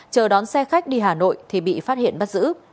chờ đón xe khách đi hà nội thì bị phát hiện bắt giữ